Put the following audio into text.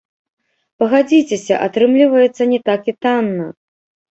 Пагадзіцеся, атрымліваецца не так і танна.